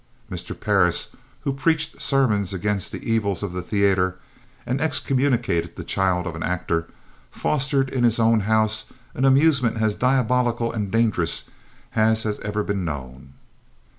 Mr. Parris, who preached sermons against the evils of the theatre and excommunicated the child of an actor, fostered in his own house an amusement as diabolical and dangerous as has ever been known.